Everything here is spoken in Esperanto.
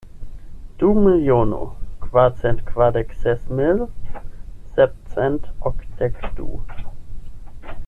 Du miliono, kvarcent kvardek ses mil, sepcent okdek du.